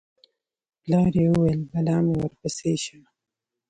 پلار یې وویل: بلا مې ورپسې شه